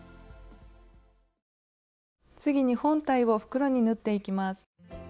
次に本体を袋に縫っていきます。